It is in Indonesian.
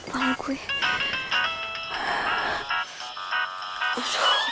masa ketempat malem gue